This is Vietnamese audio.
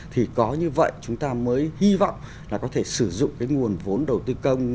thì có như vậy chúng ta mới hy vọng là có thể sử dụng cái nguồn vốn đầu tư công